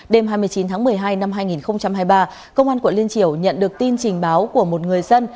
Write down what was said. đêm hai mươi chín tháng một mươi hai năm hai nghìn hai mươi ba công an quận liên triều nhận được tin trình báo của một người dân